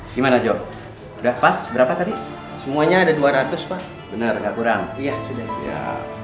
gimana job berapa tadi semuanya ada dua ratus pak bener gak kurang ya sudah ya